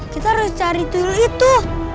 kita harus cari twill itu